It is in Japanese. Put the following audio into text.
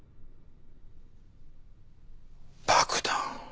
爆弾。